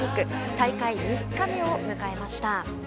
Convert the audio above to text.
大会３日目を迎えました。